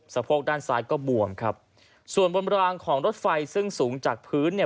โพกด้านซ้ายก็บวมครับส่วนบนรางของรถไฟซึ่งสูงจากพื้นเนี่ย